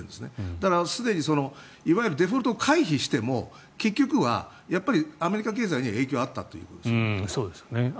だから、すでにいわゆるデフォルトを回避しても結局はやっぱりアメリカ経済には影響があったと。